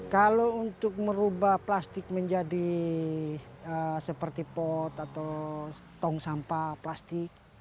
kalau untuk merubah plastik menjadi seperti pot atau tong sampah plastik